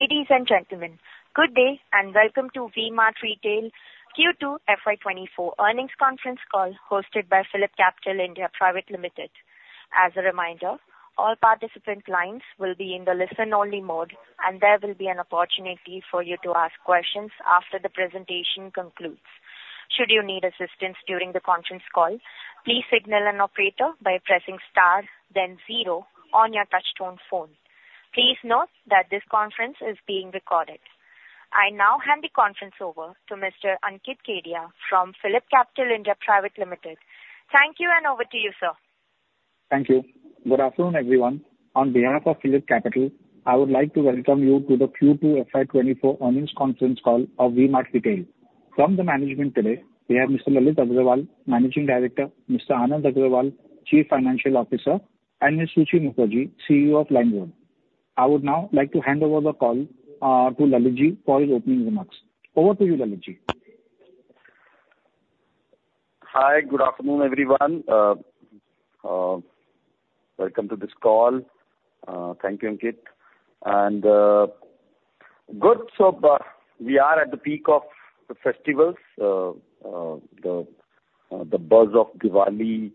Ladies and gentlemen, good day, and welcome to V-Mart Retail Q2 FY24 earnings conference call, hosted by PhillipCapital (India) Private Limited. As a reminder, all participant lines will be in the listen-only mode, and there will be an opportunity for you to ask questions after the presentation concludes. Should you need assistance during the conference call, please signal an operator by pressing star then zero on your touchtone phone. Please note that this conference is being recorded. I now hand the conference over to Mr. Ankit Kedia from PhillipCapital (India) Private Limited. Thank you, and over to you, sir. Thank you. Good afternoon, everyone. On behalf of PhillipCapital, I would like to welcome you to the Q2 FY 2024 earnings conference call of V-Mart Retail. From the management today, we have Mr. Lalit Agarwal, Managing Director, Mr. Anand Agarwal, Chief Financial Officer, and Ms. Suchi Mukherjee, CEO of LimeRoad. I would now like to hand over the call to Lalitji for his opening remarks. Over to you, Lalitji. Hi, good afternoon, everyone. Welcome to this call. Thank you, Ankit, and good. So, we are at the peak of the festivals. The buzz of Diwali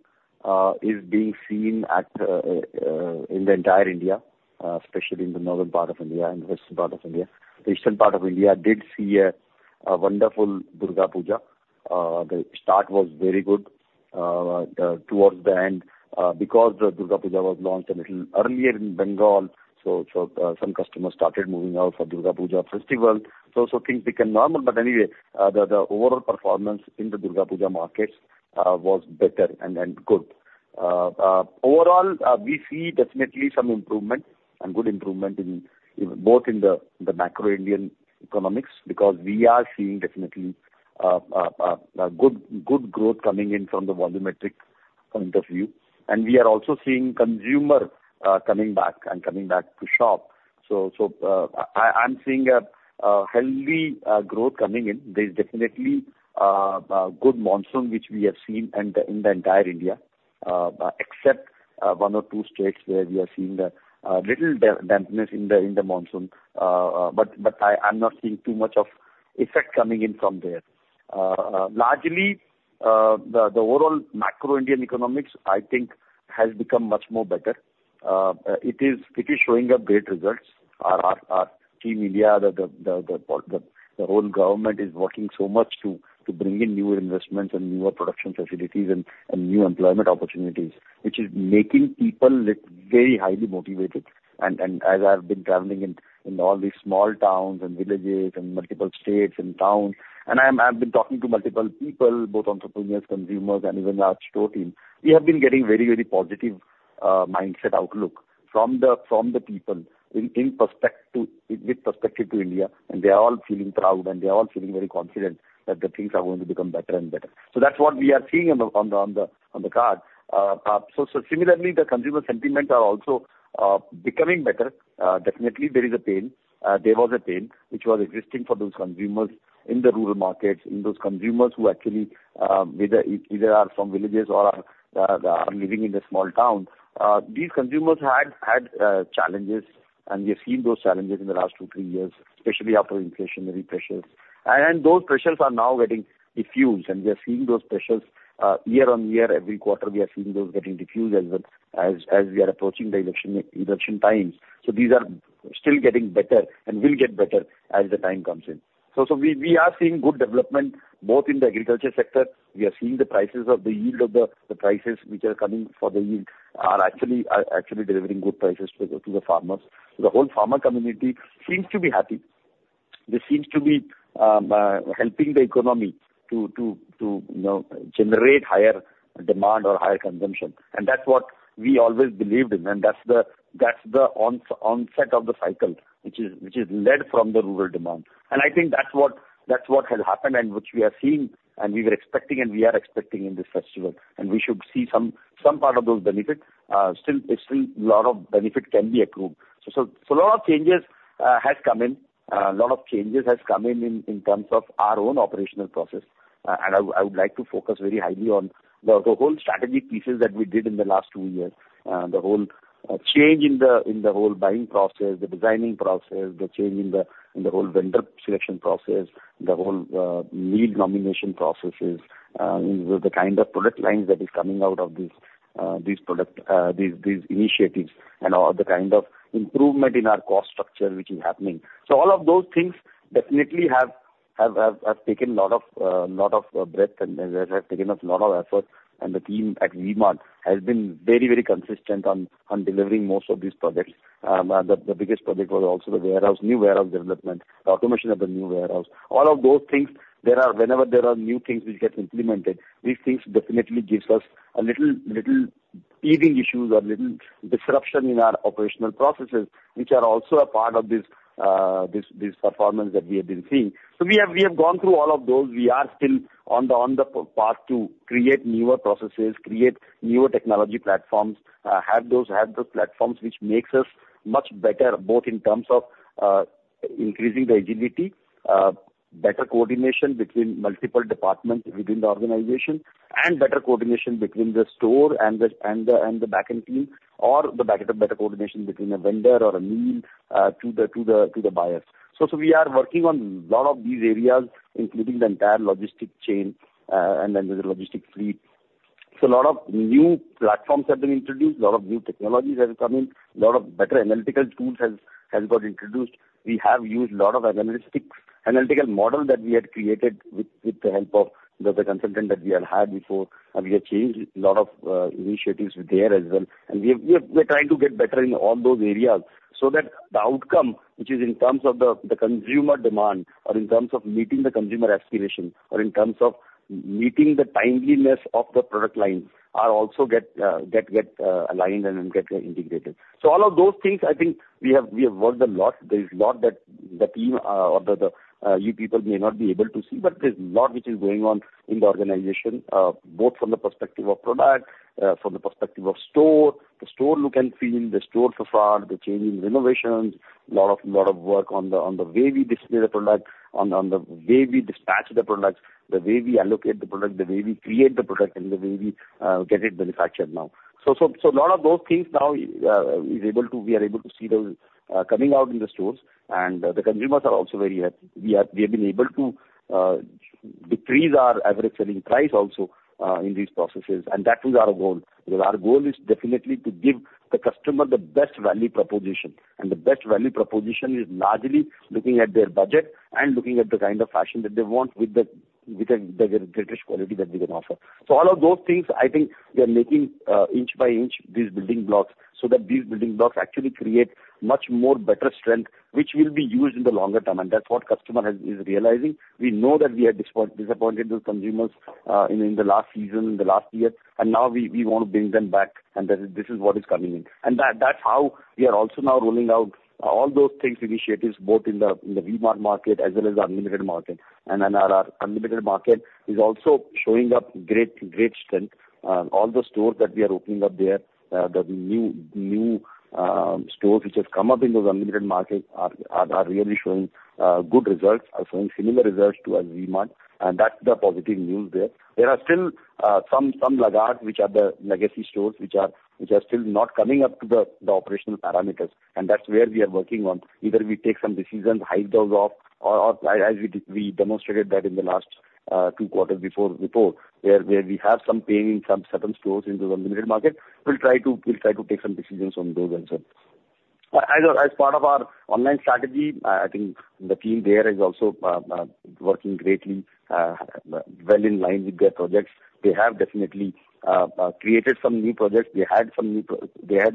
is being seen in the entire India, especially in the northern part of India and western part of India. The eastern part of India did see a wonderful Durga Puja. The start was very good towards the end, because the Durga Puja was launched a little earlier in Bengal, so some customers started moving out for Durga Puja festival. So things became normal, but anyway, the overall performance in the Durga Puja markets was better and good. Overall, we see definitely some improvement and good improvement in both the macro Indian economy, because we are seeing definitely good growth coming in from the volumetric point of view. And we are also seeing consumer coming back, and coming back to shop. So, I'm seeing a healthy growth coming in. There's definitely good monsoon, which we have seen in the entire India, except one or two states, where we are seeing the little dampness in the monsoon. But I'm not seeing too much of effect coming in from there. Largely, the overall macro Indian economy, I think, has become much more better. It is showing up great results. Our team India, the whole government is working so much to bring in newer investments and newer production facilities and new employment opportunities, which is making people look very highly motivated. And as I've been traveling in all these small towns and villages and multiple states and towns, I've been talking to multiple people, both entrepreneurs, consumers, and even our store team, we have been getting very positive mindset outlook from the people with respect to India. And they are all feeling proud, and they are all feeling very confident that the things are going to become better and better. So that's what we are seeing on the card. So similarly, the consumer sentiments are also becoming better. Definitely there is a pain. There was a pain, which was existing for those consumers in the rural markets, in those consumers who actually either are from villages or are living in the small town. These consumers had challenges, and we have seen those challenges in the last two, three years, especially after inflationary pressures. And those pressures are now getting diffused, and we are seeing those pressures year on year, every quarter, we are seeing those getting diffused as well, as we are approaching the election times. So these are still getting better and will get better as the time comes in. So we are seeing good development both in the agriculture sector. We are seeing the prices of the yield, the prices which are coming for the yield are actually delivering good prices to the farmers. The whole farmer community seems to be happy. This seems to be helping the economy to, you know, generate higher demand or higher consumption. And that's what we always believed in, and that's the onset of the cycle, which is led from the rural demand. And I think that's what has happened and which we are seeing, and we were expecting, and we are expecting in this festival. And we should see some part of those benefits. Still, there's still a lot of benefit can be approved. So a lot of changes has come in. A lot of changes has come in, in terms of our own operational process. And I would like to focus very highly on the whole strategic pieces that we did in the last two years. The whole change in the whole buying process, the designing process, the change in the whole vendor selection process, the whole lead nomination processes, the kind of product lines that is coming out of these, these product, these initiatives and all the kind of improvement in our cost structure, which is happening. So all of those things definitely have taken a lot of breadth and has taken a lot of effort. And the team at V-Mart has been very, very consistent on delivering most of these projects. And the biggest project was also the warehouse, new warehouse development, automation of the new warehouse. All of those things, there are—whenever there are new things which get implemented, these things definitely gives us a little teething issues or little disruption in our operational processes, which are also a part of this performance that we have been seeing. So we have gone through all of those. We are still on the path to create newer processes, create newer technology platforms, have those platforms which makes us much better, both in terms of increasing the agility... better coordination between multiple departments within the organization, and better coordination between the store and the back-end team, or better coordination between a vendor or a mill to the buyers. So we are working on a lot of these areas, including the entire logistics chain, and then the logistics fleet. So a lot of new platforms have been introduced, a lot of new technologies have come in, a lot of better analytical tools has got introduced. We have used a lot of analytical model that we had created with the help of the consultant that we had before, and we have changed a lot of initiatives there as well. And we are trying to get better in all those areas so that the outcome, which is in terms of the consumer demand, or in terms of meeting the consumer aspiration, or in terms of meeting the timeliness of the product line, are also get aligned and get integrated. So all of those things, I think we have worked a lot. There is a lot that the team or you people may not be able to see, but there's a lot which is going on in the organization, both from the perspective of product, from the perspective of store, the store look and feel, the store so far, the change in renovations, lot of work on the way we display the product, on the way we dispatch the products, the way we allocate the product, the way we create the product, and the way we get it manufactured now. So, a lot of those things now we are able to see those coming out in the stores, and the consumers are also very happy. We have been able to decrease our average selling price also in these processes, and that is our goal. Because our goal is definitely to give the customer the best value proposition, and the best value proposition is largely looking at their budget and looking at the kind of fashion that they want with the greatest quality that we can offer. So all of those things, I think we are making inch by inch these building blocks, so that these building blocks actually create much more better strength, which will be used in the longer term, and that's what customer is realizing. We know that we have disappointed the consumers in the last season, in the last year, and now we want to bring them back, and that is... This is what is coming in. And that's how we are also now rolling out all those things, initiatives, both in the V-Mart market as well as our Unlimited market. And then our Unlimited market is also showing up great, great strength. All the stores that we are opening up there, the new stores which has come up in those Unlimited markets are really showing good results, are showing similar results to as V-Mart, and that's the positive news there. There are still some laggards which are the legacy stores, which are still not coming up to the operational parameters, and that's where we are working on. Either we take some decisions, write those off, or as we demonstrated that in the last two quarters before where we have some pain in some certain stores in the Unlimited market, we'll try to take some decisions on those as well. As part of our online strategy, I think the team there is also working greatly well in line with their projects. They have definitely created some new projects. They had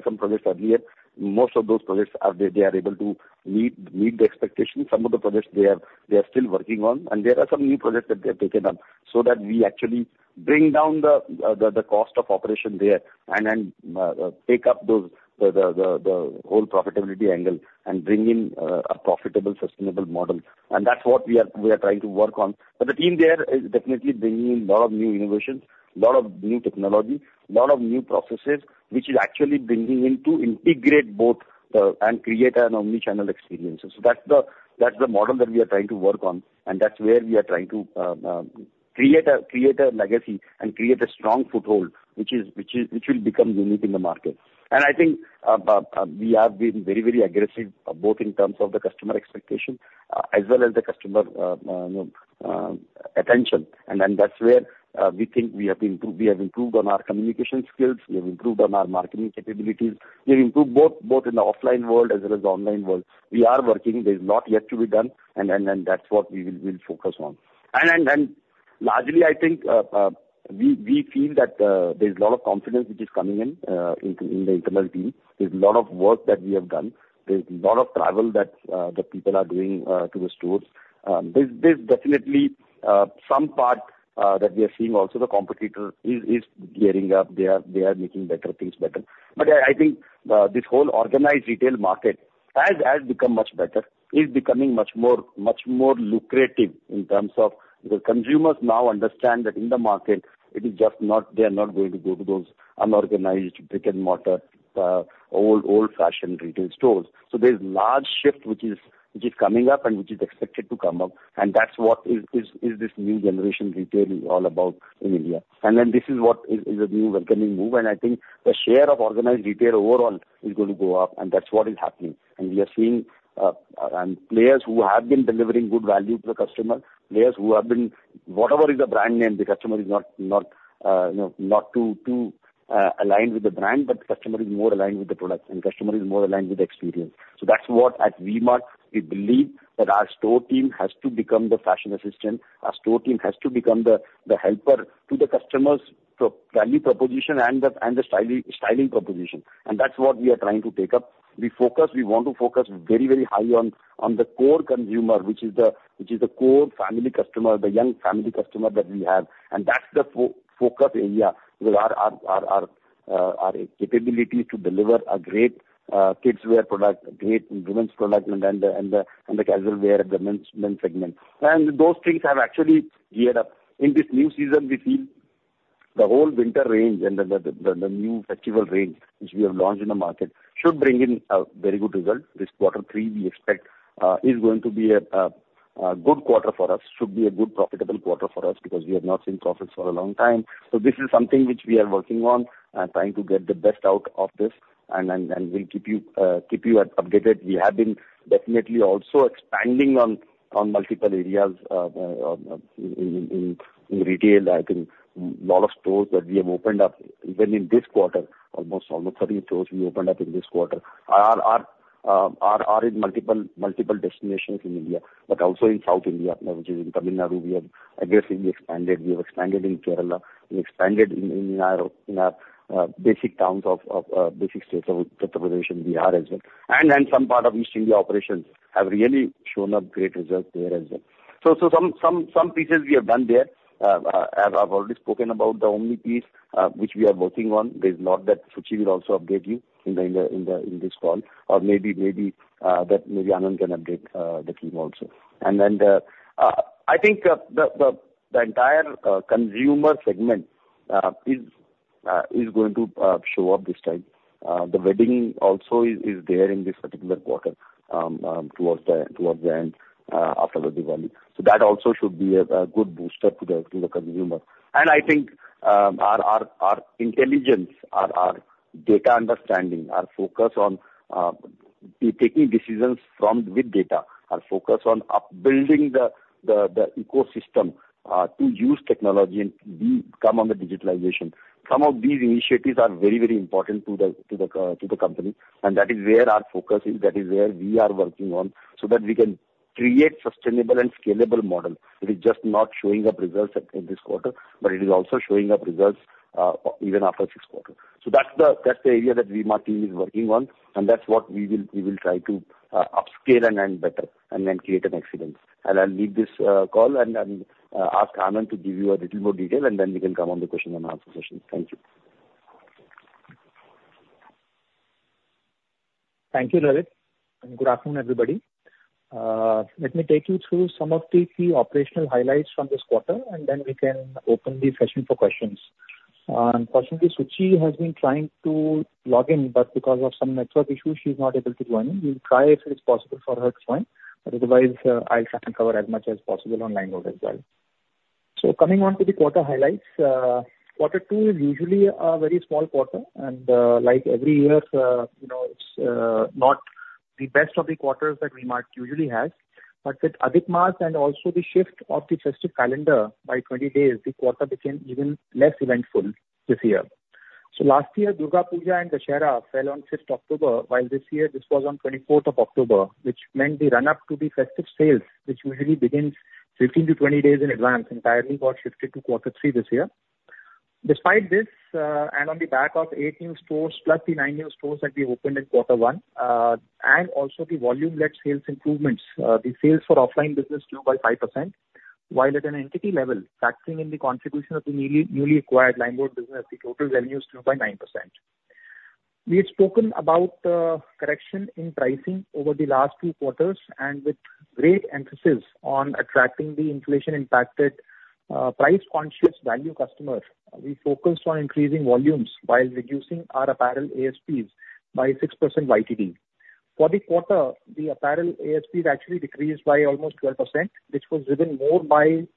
some projects earlier. Most of those projects are, they are able to meet the expectations. Some of the projects they are still working on, and there are some new projects that they have taken up, so that we actually bring down the cost of operation there and then take up the whole profitability angle and bring in a profitable, sustainable model. And that's what we are trying to work on. But the team there is definitely bringing in a lot of new innovations, lot of new technology, lot of new processes, which is actually bringing in to integrate both and create an Omni-channel experience. So that's the model that we are trying to work on, and that's where we are trying to create a legacy and create a strong foothold, which will become unique in the market. I think we have been very, very aggressive both in terms of the customer expectation as well as the customer attention. And then that's where we think we have improved. We have improved on our communication skills. We have improved on our marketing capabilities. We've improved both in the offline world as well as the online world. We are working. There's lot yet to be done, and that's what we'll focus on. And largely, I think we feel that there's a lot of confidence which is coming in in the internal team. There's a lot of work that we have done. There's a lot of travel that the people are doing to the stores. There's definitely some part that we are seeing also the competitor is gearing up. They are making better things better. But I think this whole organized retail market has become much better. It's becoming much more lucrative in terms of the consumers now understand that in the market, it is just not, they are not going to go to those unorganized, brick-and-mortar, old-fashioned retail stores. So there's large shift which is coming up and which is expected to come up, and that's what this new generation retail is all about in India. And then this is what is a new welcoming move, and I think the share of organized retail overall is going to go up, and that's what is happening. We are seeing players who have been delivering good value to the customer, players who have been... Whatever is the brand name, the customer is not, not, you know, not too, too, aligned with the brand, but the customer is more aligned with the product, and customer is more aligned with the experience. So that's what at V-Mart, we believe that our store team has to become the fashion assistant. Our store team has to become the helper to the customers, value proposition and the, and the styling proposition. And that's what we are trying to take up. We focus, we want to focus very, very high on the core consumer, which is the core family customer, the young family customer that we have, and that's the focus area. Because our capability to deliver a great kidswear product, great women's product, and the casual wear, the men's segment. And those things have actually geared up. In this new season, we feel the whole winter range and the new festival range, which we have launched in the market, should bring in a very good result. This quarter three, we expect is going to be a good quarter for us, should be a good profitable quarter for us, because we have not seen profits for a long time. So this is something which we are working on and trying to get the best out of this. And we'll keep you updated. We have been definitely also expanding on multiple areas in retail. I think a lot of stores that we have opened up, even in this quarter, almost all the 30 stores we opened up in this quarter are in multiple destinations in India, but also in South India, which is in Tamil Nadu, we have aggressively expanded. We have expanded in Kerala. We expanded in our basic towns of basic states of Uttar Pradesh and Bihar as well, and then some part of Eastern India operations have really shown up great results there as well. So some pieces we have done there. As I've already spoken about, the Omni piece, which we are working on, there's not that Suchi will also update you in the, in the, in the, in this call, or maybe, maybe, that maybe Anand can update the team also. And then I think the entire consumer segment is going to show up this time. The wedding also is there in this particular quarter, towards the end, after the Diwali. So that also should be a good booster to the consumer. And I think our intelligence, our data understanding, our focus on taking decisions from with data, our focus on up-building the ecosystem to use technology and become on the digitalization. Some of these initiatives are very, very important to the company, and that is where our focus is. That is where we are working on, so that we can create sustainable and scalable model. It is just not showing up results in this quarter, but it is also showing up results even after this quarter. So that's the area that we, my team is working on, and that's what we will try to upscale and better, and then create an excellence. And I'll leave this call and ask Anand to give you a little more detail, and then we can come on the question and answer session. Thank you. Thank you, Lalit, and good afternoon, everybody. Let me take you through some of the key operational highlights from this quarter, and then we can open the session for questions. Unfortunately, Suchi has been trying to log in, but because of some network issues, she's not able to join in. We'll try if it's possible for her to join, but otherwise, I'll try and cover as much as possible on LimeRoad as well. So coming on to the quarter highlights. Quarter two is usually a very small quarter, and, like every year, you know, it's not the best of the quarters that we might usually have. But with Adhik Maas and also the shift of the festive calendar by 20 days, the quarter became even less eventful this year. So last year, Durga Puja and Dussehra fell on 5th October, while this year this was on 24th of October, which meant the run-up to the festive sales, which usually begins 15-20 days in advance, entirely got shifted to quarter three this year. Despite this, and on the back of eight new stores, plus the nine new stores that we opened in Q1, and also the volume-led sales improvements, the sales for offline business grew by 5%, while at an entity level, factoring in the contribution of the newly acquired LimeRoad business, the total revenue is 2.9%. We had spoken about the correction in pricing over the last few quarters, and with great emphasis on attracting the inflation-impacted, price-conscious value customer. We focused on increasing volumes while reducing our apparel ASPs by 6% YTD. For the quarter, the apparel ASPs actually decreased by almost 12%, which was driven more by, you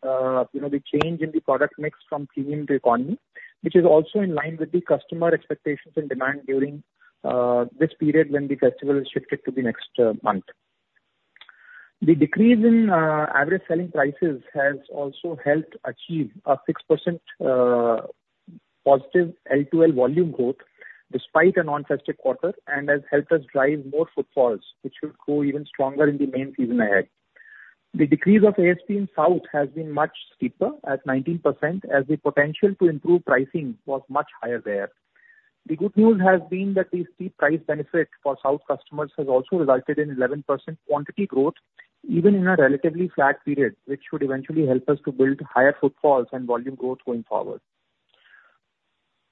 know, the change in the product mix from premium to economy, which is also in line with the customer expectations and demand during this period when the festival shifted to the next month. The decrease in average selling prices has also helped achieve a 6% positive LTL volume growth, despite a non-festive quarter, and has helped us drive more footfalls, which will grow even stronger in the main season ahead. The decrease of ASP in South has been much steeper, at 19%, as the potential to improve pricing was much higher there. The good news has been that the steep price benefit for South customers has also resulted in 11% quantity growth, even in a relatively flat period, which should eventually help us to build higher footfalls and volume growth going forward.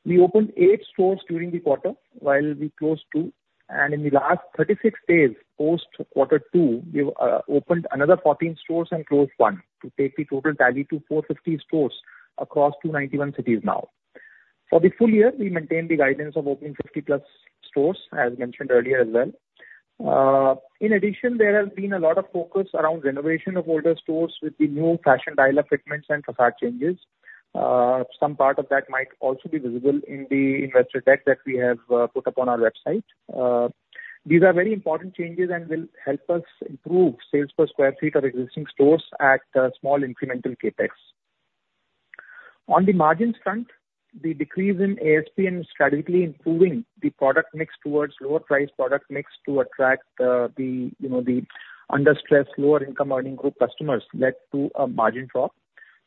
We opened eight stores during the quarter, while we closed two, and in the last 36 days, post Q2, we opened another 14 stores and closed one, to take the total tally to 450 stores across 291 cities now. For the full year, we maintained the guidance of opening 50+ stores, as mentioned earlier as well. In addition, there has been a lot of focus around renovation of older stores with the new fashion dialer fitments and façade changes. Some part of that might also be visible in the investor deck that we have put up on our website. These are very important changes and will help us improve sales per square feet of existing stores at a small incremental CapEx. On the margins front, the decrease in ASP and strategically improving the product mix towards lower price product mix to attract, the, you know, the under stress, lower income earning group customers led to a margin drop.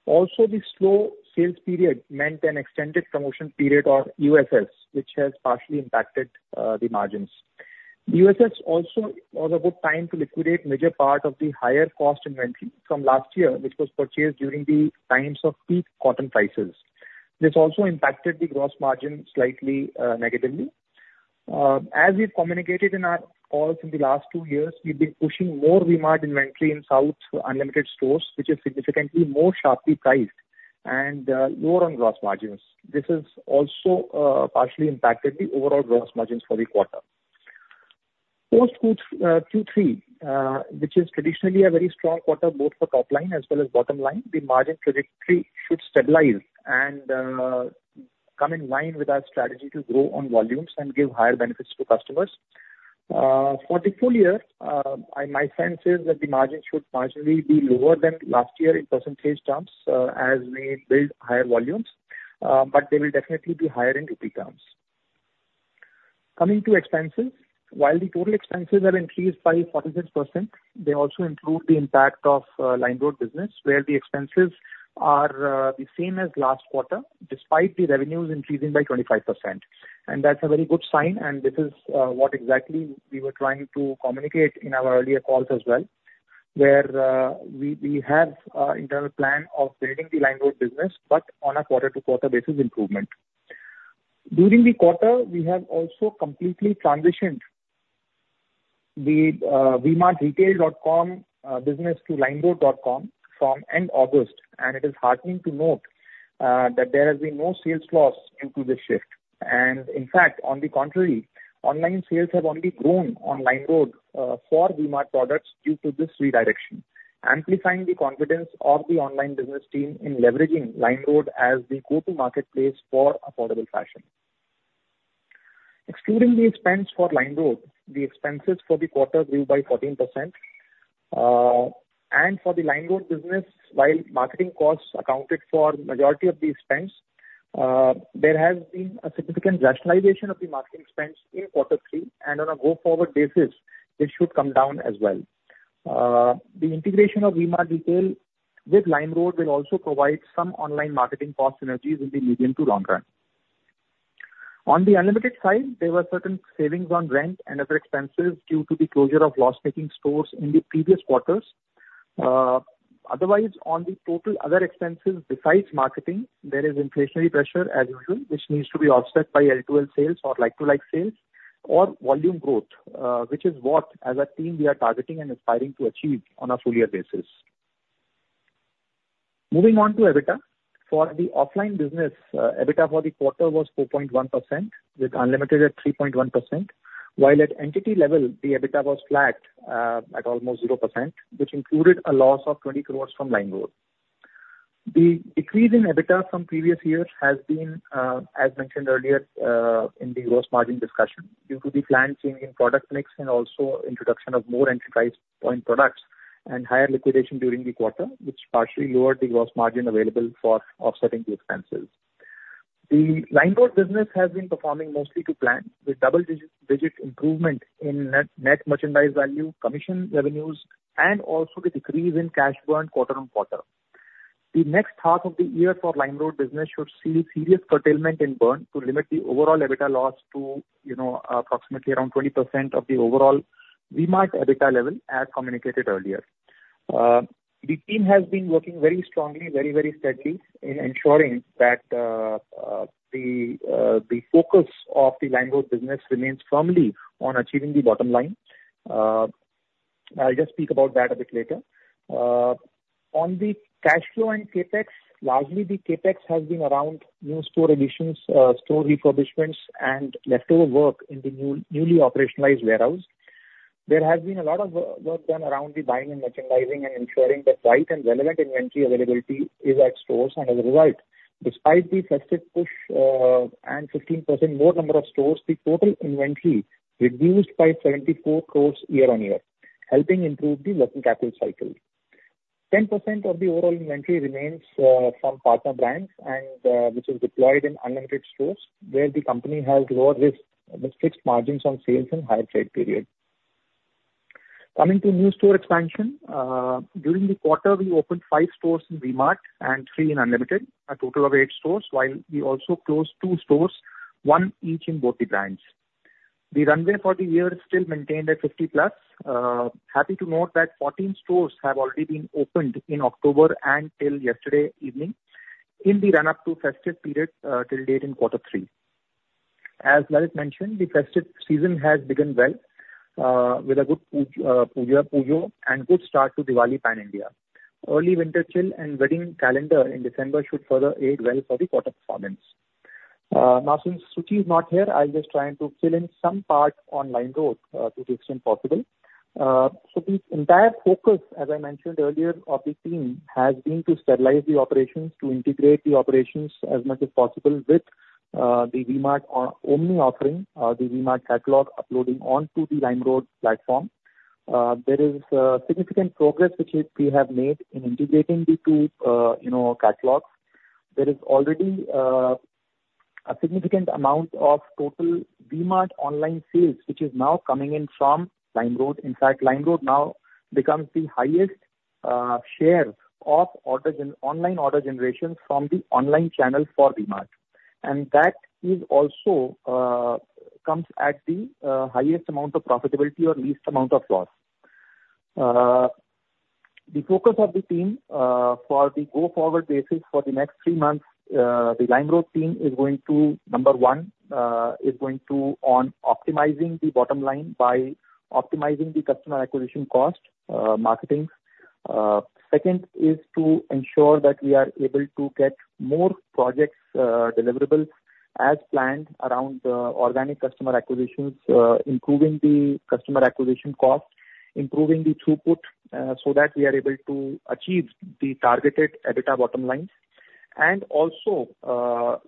Also, the slow sales period meant an extended promotion period on EOSS, which has partially impacted the margins. EOSS also was a good time to liquidate major part of the higher cost inventory from last year, which was purchased during the times of peak cotton prices. This also impacted the gross margin slightly negatively. As we've communicated in our calls in the last two years, we've been pushing more V-Mart inventory in South Unlimited stores, which is significantly more sharply priced and, lower on gross margins. This has also, partially impacted the overall gross margins for the quarter. Post Q2s, Q3, which is traditionally a very strong quarter, both for top line as well as bottom line, the margin trajectory should stabilize and, come in line with our strategy to grow on volumes and give higher benefits to customers. For the full year, I, my sense is that the margin should marginally be lower than last year in percentage terms, as we build higher volumes, but they will definitely be higher in rupee terms. Coming to expenses, while the total expenses are increased by 46%, they also include the impact of LimeRoad business, where the expenses are the same as last quarter, despite the revenues increasing by 25%. And that's a very good sign, and this is what exactly we were trying to communicate in our earlier calls as well, where we have an internal plan of building the LimeRoad business, but on a quarter-to-quarter basis improvement. During the quarter, we have also completely transitioned the vmartretail.com business to limeroad.com from end August, and it is heartening to note that there has been no sales loss due to this shift. And in fact, on the contrary, online sales have only grown on LimeRoad for V-Mart products due to this redirection, amplifying the confidence of the online business team in leveraging LimeRoad as the go-to marketplace for affordable fashion. Excluding the expense for LimeRoad, the expenses for the quarter grew by 14%. And for the LimeRoad business, while marketing costs accounted for majority of the expense, there has been a significant rationalization of the marketing expense in quarter three, and on a go-forward basis, it should come down as well. The integration of V-Mart Retail with LimeRoad will also provide some online marketing cost synergies in the medium to long run. On the Unlimited side, there were certain savings on rent and other expenses due to the closure of loss-making stores in the previous quarters. Otherwise, on the total other expenses besides marketing, there is inflationary pressure as usual, which needs to be offset by LTL sales or like-to-like sales or volume growth, which is what, as a team, we are targeting and aspiring to achieve on a full year basis. Moving on to EBITDA. For the offline business, EBITDA for the quarter was 4.1%, with Unlimited at 3.1%, while at entity level, the EBITDA was flat, at almost 0%, which included a loss of 20 crore from LimeRoad. The decrease in EBITDA from previous years has been, as mentioned earlier, in the gross margin discussion, due to the planned change in product mix and also introduction of more entry price point products and higher liquidation during the quarter, which partially lowered the gross margin available for offsetting the expenses. The LimeRoad business has been performing mostly to plan, with double-digit improvement in net merchandise value, commission revenues, and also the decrease in cash burn quarter on quarter. The next half of the year for LimeRoad business should see serious curtailment in burn to limit the overall EBITDA loss to, you know, approximately around 20% of the overall V-Mart EBITDA level, as communicated earlier. The team has been working very strongly, very, very steadily in ensuring that the focus of the LimeRoad business remains firmly on achieving the bottom line. I'll just speak about that a bit later. On the cash flow and CapEx, largely the CapEx has been around new store additions, store refurbishments, and leftover work in the newly operationalized warehouse. There has been a lot of work done around the buying and merchandising and ensuring that right and relevant inventory availability is at stores. As a result, despite the festive push, and 15% more number of stores, the total inventory reduced by 74 crore year-on-year, helping improve the working capital cycle. 10% of the overall inventory remains, from partner brands and, which is deployed in Unlimited stores, where the company has lower risk with fixed margins on sales and higher trade period. Coming to new store expansion, during the quarter, we opened 5 stores in V-Mart and three in Unlimited, a total of eight stores, while we also closed two stores, one each in both the brands. The runway for the year is still maintained at 50+. Happy to note that 14 stores have already been opened in October and till yesterday evening in the run-up to festive period, till date in quarter three. As Lalit mentioned, the festive season has begun well, with a good Puja, and good start to Diwali pan-India. Early winter chill and wedding calendar in December should further aid well for the quarter performance. Now, since Suchi is not here, I'll just try to fill in some part on LimeRoad, to the extent possible. So the entire focus, as I mentioned earlier, of the team, has been to stabilize the operations, to integrate the operations as much as possible with the V-Mart omni-offering, the V-Mart catalog uploading onto the LimeRoad platform. There is significant progress which we have made in integrating the two, you know, catalogs. There is already a significant amount of total V-Mart online sales, which is now coming in from LimeRoad. In fact, LimeRoad now becomes the highest share of orders in online order generation from the online channel for V-Mart. And that is also comes at the highest amount of profitability or least amount of loss. The focus of the team, for the go-forward basis for the next three months, the LimeRoad team is going to, number one, is going to on optimizing the bottom line by optimizing the customer acquisition cost, marketing. Second is to ensure that we are able to get more projects deliverable as planned around organic customer acquisitions, improving the customer acquisition cost, improving the throughput, so that we are able to achieve the targeted EBITDA bottom line. And also,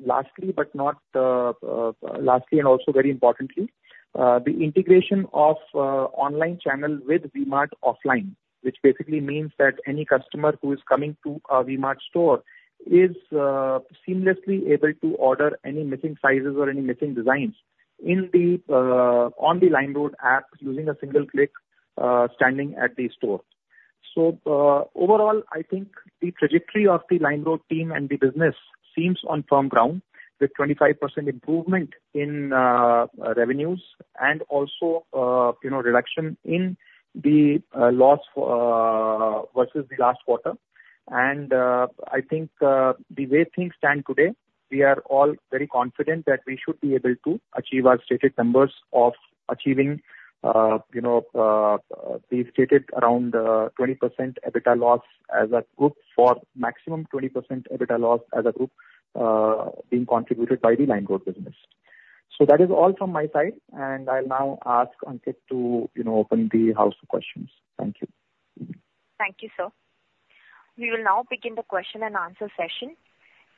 lastly, but not lastly, and also very importantly, the integration of online channel with V-Mart offline, which basically means that any customer who is coming to a V-Mart store is seamlessly able to order any missing sizes or any missing designs in the on the LimeRoad app, using a single click, standing at the store. So, overall, I think the trajectory of the LimeRoad team and the business seems on firm ground, with 25% improvement in revenues and also, you know, reduction in the loss versus the last quarter. I think the way things stand today, we are all very confident that we should be able to achieve our stated numbers of achieving, you know, we've stated around 20% EBITDA loss as a group, for maximum 20% EBITDA loss as a group, being contributed by the LimeRoad business. So that is all from my side, and I'll now ask Ankit to, you know, open the floor for questions. Thank you. Thank you, sir. We will now begin the question and answer session.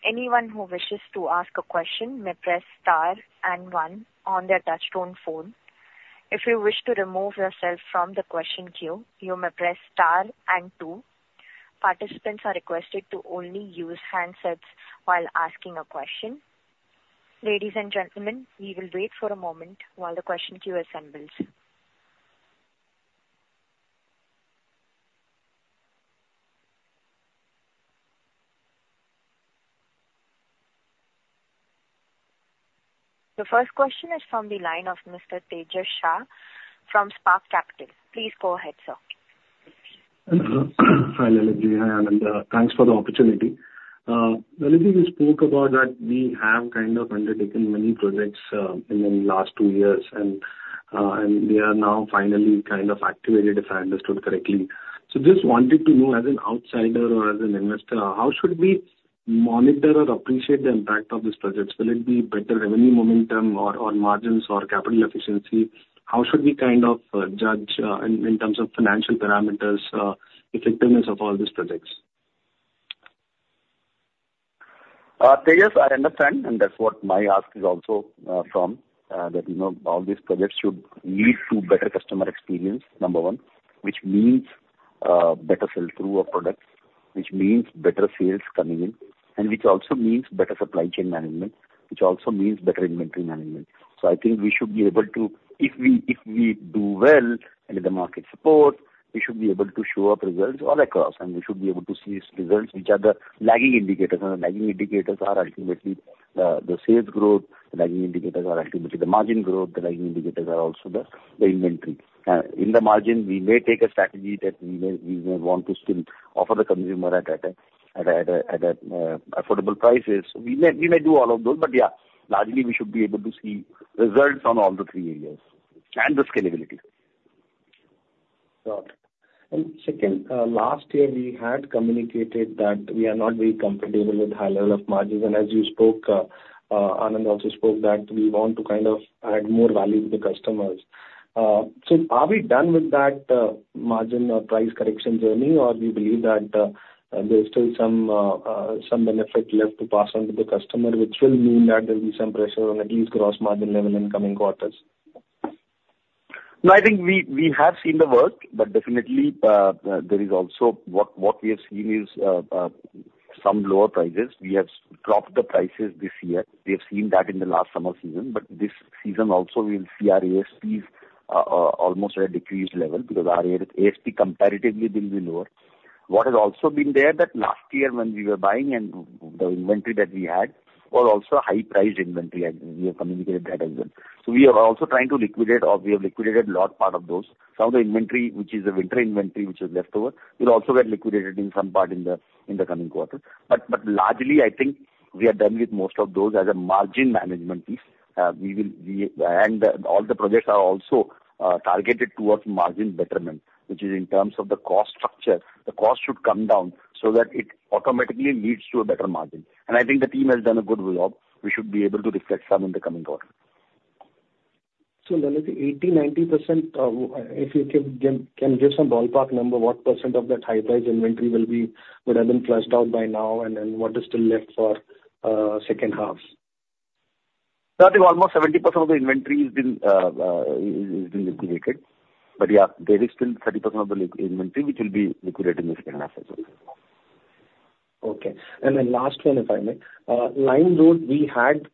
Anyone who wishes to ask a question may press star and one on their touchtone phone. If you wish to remove yourself from the question queue, you may press star and two. Participants are requested to only use handsets while asking a question. Ladies and gentlemen, we will wait for a moment while the question queue assembles. The first question is from the line of Mr. Tejas Shah from Spark Capital. Please go ahead, sir. Hi, Lalitji. Hi, Anand. Thanks for the opportunity. Lalitji, you spoke about that we have kind of undertaken many projects in the last two years, and they are now finally kind of activated, if I understood correctly. So just wanted to know, as an outsider or as an investor, how should we monitor or appreciate the impact of these projects? Will it be better revenue momentum or margins or capital efficiency? How should we kind of judge in terms of financial parameters, effectiveness of all these projects? Tejas, I understand, and that's what my ask is also, from that, you know, all these projects should lead to better customer experience, number one, which means better sell-through of products, which means better sales coming in, and which also means better supply chain management, which also means better inventory management. So I think we should be able to, if we do well, and the market supports, we should be able to show up results all across, and we should be able to see these results, which are the lagging indicators. And the lagging indicators are ultimately the sales growth. The lagging indicators are ultimately the margin growth. The lagging indicators are also the inventory. In the margin, we may take a strategy that we may want to still offer the consumer at affordable prices. We may do all of those, but yeah, largely, we should be able to see results on all the three areas and the scalability. Got it. And second, last year we had communicated that we are not very comfortable with high level of margins. And as you spoke, Anand also spoke that we want to kind of add more value to the customers. So are we done with that, margin or price correction journey, or we believe that, there's still some benefit left to pass on to the customer, which will mean that there'll be some pressure on at least gross margin level in coming quarters? No, I think we have seen the work, but definitely, there is also what we have seen is some lower prices. We have dropped the prices this year. We have seen that in the last summer season, but this season also, we will see our ASPs almost at a decreased level because our ASP comparatively will be lower. What has also been there, that last year when we were buying and the inventory that we had, were also high-priced inventory, and we have communicated that as well. So we are also trying to liquidate or we have liquidated large part of those. Some of the inventory, which is the winter inventory, which is left over, will also get liquidated in some part in the coming quarter. But, but largely, I think we are done with most of those as a margin management piece. We will, and all the projects are also targeted towards margin betterment, which is in terms of the cost structure. The cost should come down so that it automatically leads to a better margin. And I think the team has done a good job. We should be able to reflect some in the coming quarter. So Lalit, 80%-90%, if you can give some ballpark number, what % of that high-price inventory will be, would have been flushed out by now, and then what is still left for second half? I think almost 70% of the inventory has been liquidated. But yeah, there is still 30% of the inventory, which will be liquidated in the second half as well. Okay. And then last one, if I may. LimeRoad, we had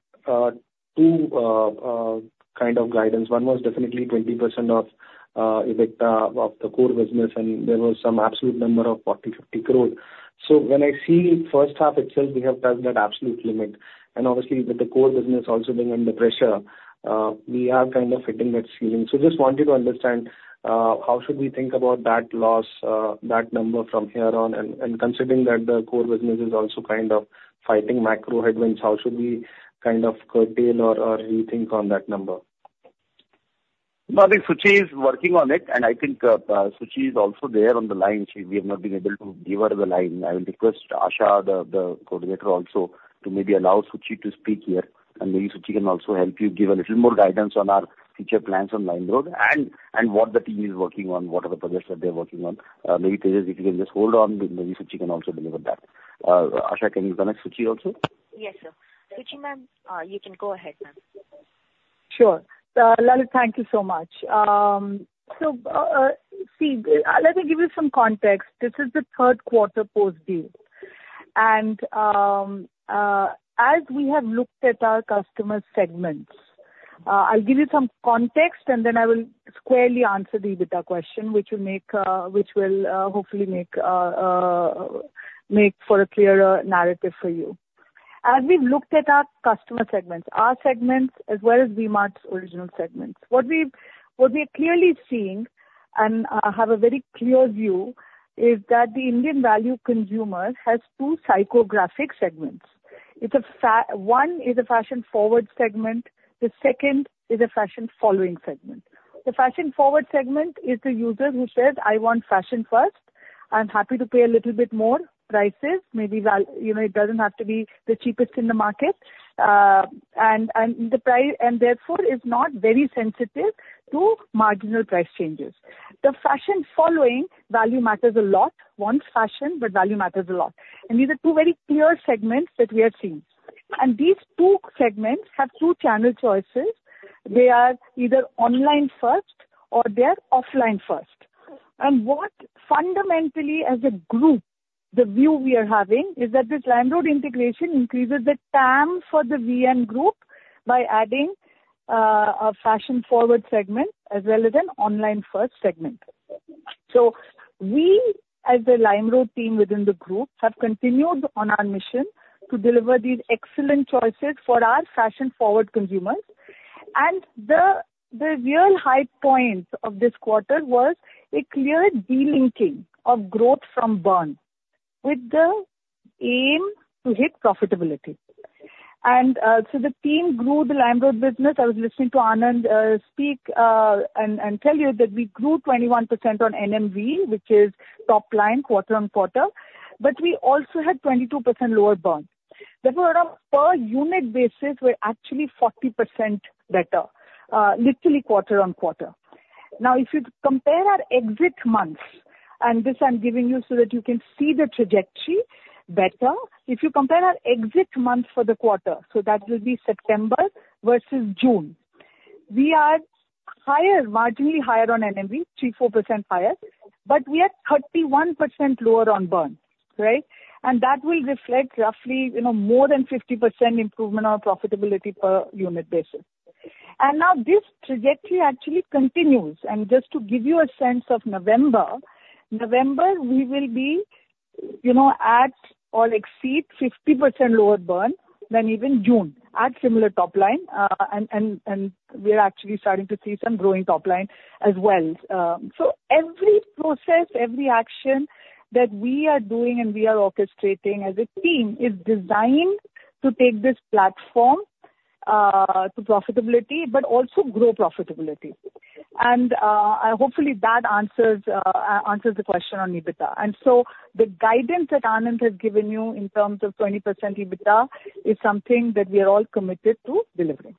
two kind of guidance. One was definitely 20% of EBITDA of the core business, and there was some absolute number of 40 crore-50 crore. So when I see first half itself, we have touched that absolute limit. And obviously, with the core business also being under pressure, we are kind of hitting that ceiling. So just want you to understand how should we think about that loss, that number from here on, and considering that the core business is also kind of fighting macro headwinds, how should we kind of curtail or rethink on that number? No, I think Suchi is working on it, and I think Suchi is also there on the line. She, we have not been able to give her the line. I will request Asha, the coordinator also, to maybe allow Suchi to speak here, and maybe Suchi can also help you give a little more guidance on our future plans on LimeRoad and what the team is working on, what are the projects that they're working on. Maybe, Tejas, if you can just hold on, maybe Suchi can also deliver that. Asha, can you connect Suchi also? Yes, sir. Suchi ma'am, you can go ahead, ma'am. Sure. Lalit, thank you so much. Let me give you some context. This is the third quarter post deal. As we have looked at our customer segments, I'll give you some context, and then I will squarely answer the EBITDA question, which will hopefully make for a clearer narrative for you. As we've looked at our customer segments, our segments as well as V-Mart's original segments, what we're clearly seeing, and have a very clear view, is that the Indian value consumer has two psychographic segments. It's a fa- One is a fashion-forward segment, the second is a fashion-following segment. The fashion-forward segment is the user who says, "I want fashion first. I'm happy to pay a little bit more prices. Maybe value, you know, it doesn't have to be the cheapest in the market." And the price and therefore is not very sensitive to marginal price changes. The fashion-following, value matters a lot, wants fashion, but value matters a lot. And these are two very clear segments that we are seeing. And these two segments have two channel choices. They are either online first or they are offline first. And what fundamentally, as a group, the view we are having, is that this LimeRoad integration increases the TAM for the VM group by adding a fashion-forward segment as well as an online-first segment. So we, as the LimeRoad team within the group, have continued on our mission to deliver these excellent choices for our fashion-forward consumers. And the real high point of this quarter was a clear delinking of growth from burn, with the aim to hit profitability. And so the team grew the LimeRoad business. I was listening to Anand speak and tell you that we grew 21% on NMV, which is top line, quarter on quarter, but we also had 22% lower burn. Therefore, on a per unit basis, we're actually 40% better, literally quarter on quarter. Now, if you compare our exit months, and this I'm giving you so that you can see the trajectory better. If you compare our exit month for the quarter, so that will be September versus June, we are higher, marginally higher on NMV, 3%-4% higher, but we are 31% lower on burn, right? That will reflect roughly, you know, more than 50% improvement on profitability per unit basis. Now this trajectory actually continues. Just to give you a sense of November, November, we will be, you know, at or exceed 50% lower burn than even June, at similar top line. We are actually starting to see some growing top line as well. So every process, every action that we are doing and we are orchestrating as a team, is designed to take this platform to profitability, but also grow profitability. Hopefully that answers the question on EBITDA. So the guidance that Anand has given you in terms of 20% EBITDA is something that we are all committed to delivering.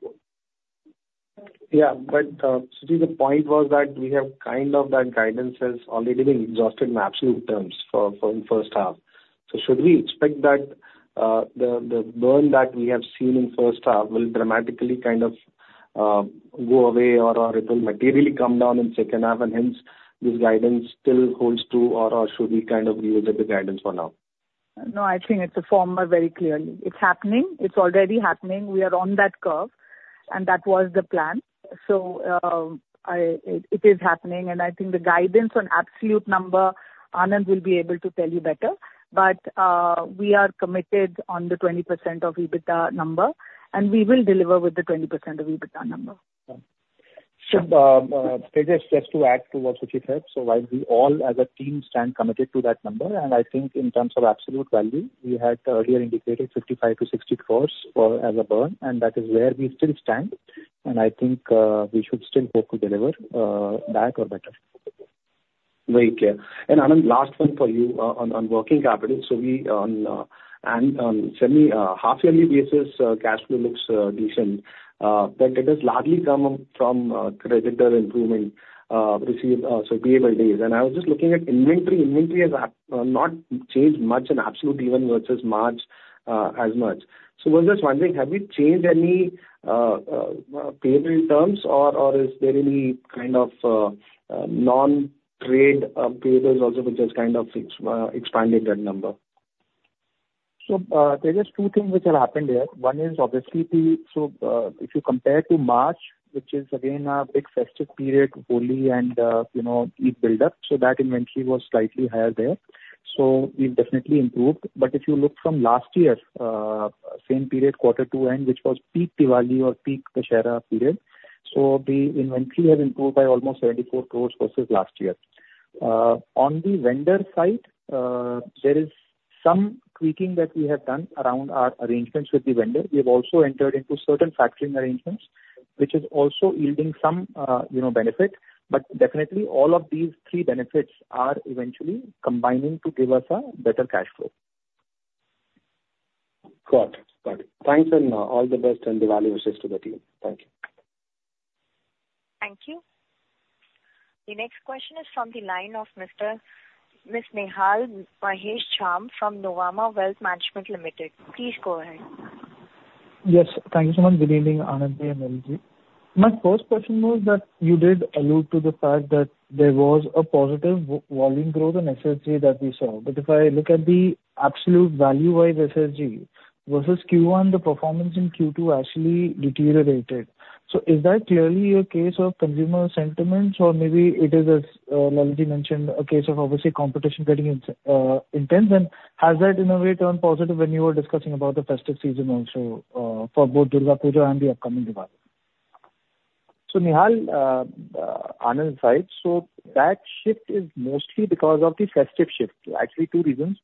Yeah, but, Suchi, the point was that we have kind of that guidance has already been exhausted in absolute terms for first half. So should we expect that the burn that we have seen in first half will dramatically kind of go away or it will materially come down in second half, and hence this guidance still holds true or should we kind of revisit the guidance for now? No, I think it's aforementioned very clearly. It's happening. It's already happening. We are on that curve, and that was the plan. So, it is happening, and I think the guidance on absolute number, Anand will be able to tell you better. But, we are committed on the 20% of EBITDA number, and we will deliver with the 20% of EBITDA number. Yeah. So, Tejas, just to add to what Suchi said, so while we all as a team stand committed to that number, and I think in terms of absolute value, we had earlier indicated 55-60 crores for as a burn, and that is where we still stand. And I think, we should still hope to deliver, that or better. Very clear. And Anand, last one for you, on working capital. So half-yearly basis, cash flow looks decent, but it has largely come up from creditor improvement received so payable days. And I was just looking at inventory. Inventory has not changed much in absolute even versus March as much. So I was just wondering, have you changed any payable terms or is there any kind of non-trade payables also, which has kind of expanded that number? So, there is two things which have happened here. One is obviously the, so, if you compare to March, which is again a big festive period, Holi and, you know, Eid build-up, so that inventory was slightly higher there, so we've definitely improved. But if you look from last year, same period, quarter two, and which was peak Diwali or peak Dussehra period, so the inventory has improved by almost 74 crores versus last year. On the vendor side, there is some tweaking that we have done around our arrangements with the vendor. We have also entered into certain factoring arrangements, which is also yielding some, you know, benefit. But definitely all of these three benefits are eventually combining to give us a better cash flow. Got it. Got it. Thanks, and, all the best, and Diwali wishes to the team. Thank you. Thank you. The next question is from the line of Mr- Miss Nihal Mahesh Jham from Nuvama Wealth Management Limited. Please go ahead. Yes, thank you so much. Good evening, Anand and Lalit. My first question was that you did allude to the fact that there was a positive volume growth in SSG that we saw. But if I look at the absolute value-wise SSG versus Q1, the performance in Q2 actually deteriorated. So is that clearly a case of consumer sentiments, or maybe it is, as Lalit mentioned, a case of obviously competition getting intense? And has that in a way turned positive when you were discussing about the festive season also, for both Durga Puja and the upcoming Diwali? So, Nihal, Anand is right. So that shift is mostly because of the festive shift. Actually, two reasons,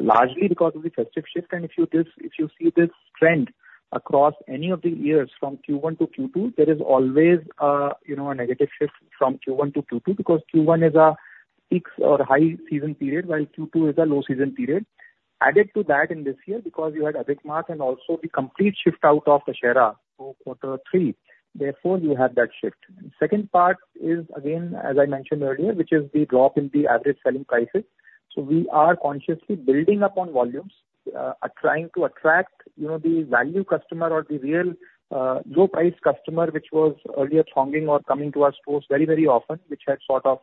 largely because of the festive shift, and if you see this trend across any of the years from Q1 to Q2, there is always a, you know, a negative shift from Q1 to Q2, because Q1 is a peak or high season period, while Q2 is a low season period. Added to that, in this year, because you had Adhik Maas and also the complete shift out of Dussehra for quarter three, therefore, you have that shift. Second part is, again, as I mentioned earlier, which is the drop in the average selling prices. So we are consciously building up on volumes, are trying to attract, you know, the value customer or the real, low-price customer, which was earlier thronging or coming to our stores very, very often, which had sort of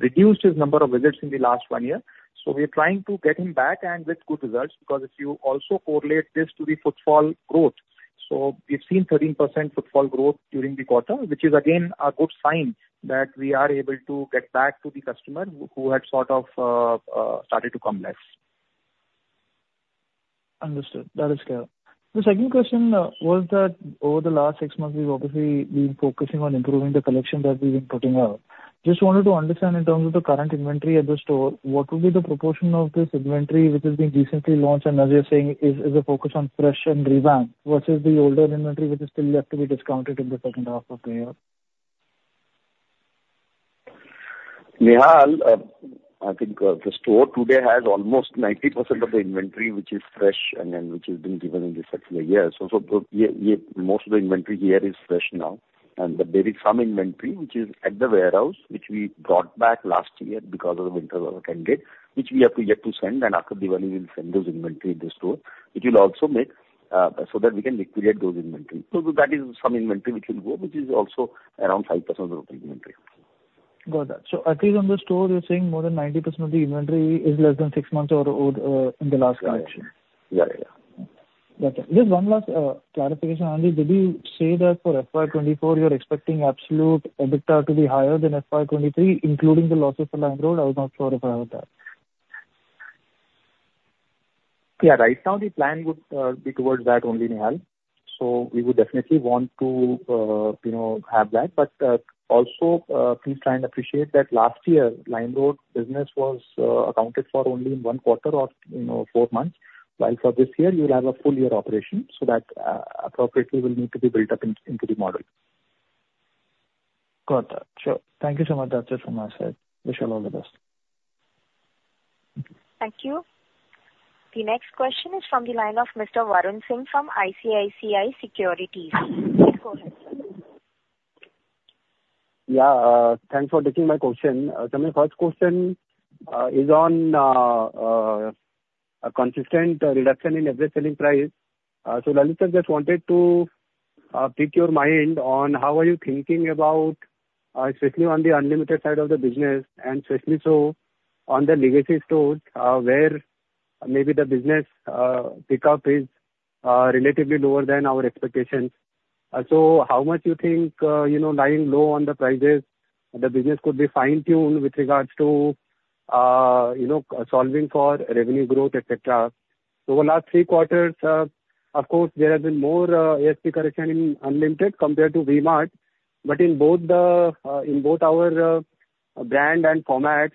reduced his number of visits in the last one year. So we are trying to get him back and with good results, because if you also correlate this to the footfall growth. So we've seen 13% footfall growth during the quarter, which is again a good sign that we are able to get back to the customer who had sort of started to come less. Understood. That is clear. The second question was that over the last six months, we've obviously been focusing on improving the collection that we've been putting out. Just wanted to understand in terms of the current inventory at the store, what would be the proportion of this inventory which has been recently launched, and as you're saying, is, is a focus on fresh and revamped versus the older inventory, which is still yet to be discounted in the second half of the year? Nihal, I think, the store today has almost 90% of the inventory, which is fresh and then which has been given in the set for the year. So the, yeah, yeah, most of the inventory here is fresh now, and but there is some inventory which is at the warehouse, which we brought back last year because of the winter over ten date, which we have yet to send, and after Diwali, we'll send those inventory in the store. It will also make so that we can liquidate those inventory. So that is some inventory which will go, which is also around 5% of the total inventory. Got that. So at least on the store, you're saying more than 90% of the inventory is less than six months or, or, in the last collection. Yeah, yeah. Got it. Just one last clarification, Anand ji. Did you say that for FY 2024, you're expecting absolute EBITDA to be higher than FY 2023, including the losses for LimeRoad? I was not sure if I heard that. Yeah. Right now, the plan would be towards that only, Nihal. So we would definitely want to, you know, have that. But also, please try and appreciate that last year, LimeRoad business was accounted for only in one quarter or, you know, four months, while for this year you'll have a full year operation, so that appropriately will need to be built up into the model. Got that. Sure. Thank you so much. That's it from my side. Wish you all the best. Thank you. The next question is from the line of Mr. Varun Singh from ICICI Securities. Please go ahead. Yeah, thanks for taking my question. So my first question is on a consistent reduction in average selling price. So Lalit sir, just wanted to pick your mind on how are you thinking about, especially on the Unlimited side of the business, and especially so on the legacy stores, where maybe the business pickup is relatively lower than our expectations. So how much you think, you know, lying low on the prices, the business could be fine-tuned with regards to, you know, solving for revenue growth, et cetera? So the last three quarters, of course, there has been more ASP correction in Unlimited compared to V-Mart, but in both the, in both our brand and formats.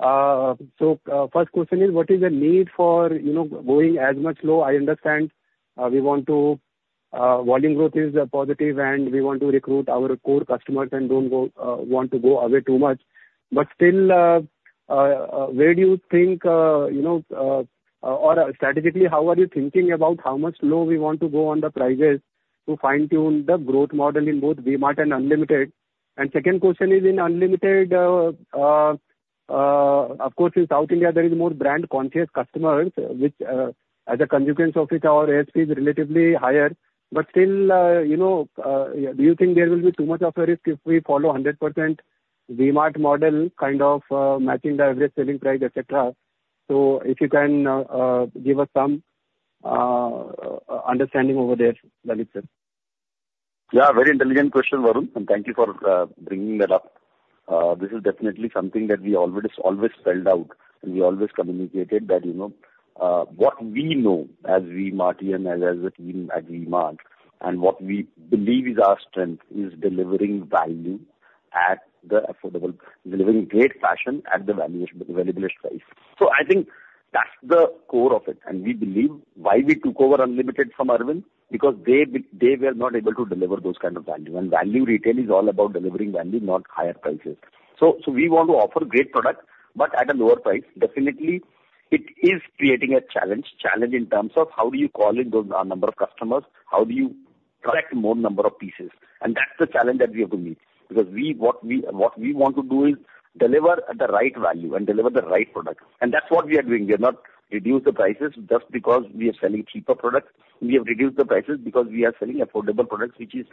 So, first question is, what is the need for, you know, going as much low? I understand, we want to, volume growth is positive, and we want to recruit our core customers and don't go, want to go away too much. But still, where do you think, you know, or strategically, how are you thinking about how much low we want to go on the prices to fine-tune the growth model in both V-Mart and Unlimited? And second question is in Unlimited, of course, in South India, there is more brand-conscious customers, which, as a consequence of it, our ASP is relatively higher. But still, you know, do you think there will be too much of a risk if we follow 100%?... V-Mart model kind of, matching the average selling price, et cetera. If you can give us some understanding over there, Lalit sir. Yeah, very intelligent question, Varun, and thank you for bringing that up. This is definitely something that we always spelled out, and we always communicated that, you know, what we know as V-Martian, as a team at V-Mart, and what we believe is our strength, is delivering value at the affordable—delivering great fashion at the valuation, the valuation price. So I think that's the core of it, and we believe why we took over Unlimited from Arvind, because they were not able to deliver those kind of value. And value retail is all about delivering value, not higher prices. So we want to offer great product, but at a lower price. Definitely, it is creating a challenge in terms of how do you call in those number of customers? How do you collect more number of pieces? That's the challenge that we have to meet. Because what we want to do is deliver at the right value and deliver the right product. And that's what we are doing. We have not reduced the prices just because we are selling cheaper products. We have reduced the prices because we are selling affordable products, which is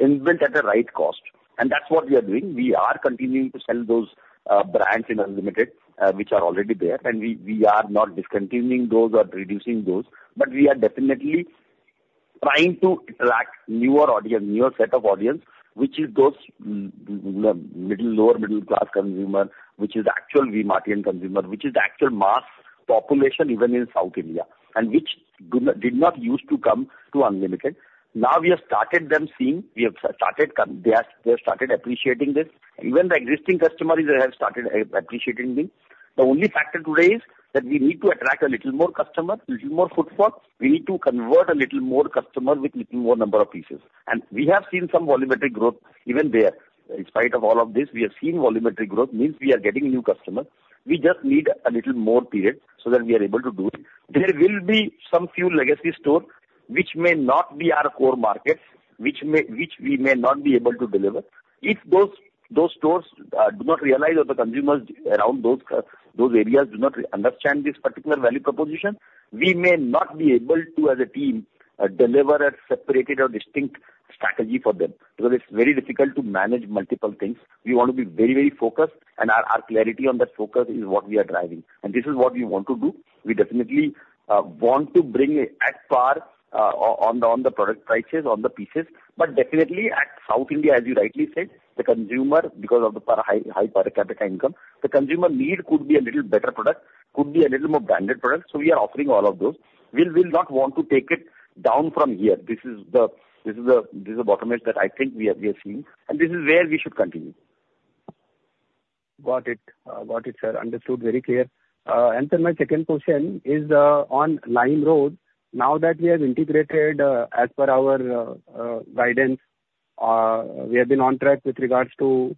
inbuilt at the right cost. And that's what we are doing. We are continuing to sell those brands in Unlimited, which are already there, and we are not discontinuing those or reducing those, but we are definitely trying to attract newer audience, newer set of audience, which is those middle, lower middle class consumer, which is actual V-Martian consumer, which is the actual mass population even in South India, and which do not, did not use to come to Unlimited. Now, they have started appreciating this. Even the existing customers, they have started appreciating this. The only factor today is that we need to attract a little more customer, little more footfall. We need to convert a little more customers with little more number of pieces. We have seen some volumetric growth even there. In spite of all of this, we have seen volumetric growth, means we are getting new customers. We just need a little more period so that we are able to do it. There will be some few legacy stores which may not be our core markets, which we may not be able to deliver. If those, those stores do not realize or the consumers around those, those areas do not understand this particular value proposition, we may not be able to, as a team, deliver a separated or distinct strategy for them, because it's very difficult to manage multiple things. We want to be very, very focused, and our, our clarity on that focus is what we are driving. This is what we want to do. We definitely want to bring it at par, on the, on the product prices, on the pieces. But definitely at South India, as you rightly said, the consumer, because of the very high per capita income, the consumer need could be a little better product, could be a little more branded product, so we are offering all of those. We will not want to take it down from here. This is the bottom line that I think we are seeing, and this is where we should continue. Got it. Got it, sir. Understood, very clear. And then my second question is on LimeRoad. Now that we have integrated, as per our guidance, we have been on track with regards to